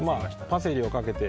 パセリをかけて。